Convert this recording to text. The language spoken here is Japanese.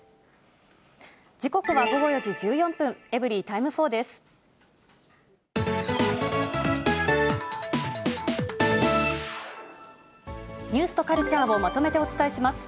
時刻は午後４時１４分、エブリィタイム４です。